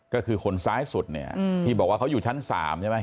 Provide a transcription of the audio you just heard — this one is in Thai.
ก็คือคนซ้ายสุดเนี่ยที่บอกว่าเขาอยู่ชั้น๓ใช่ไหม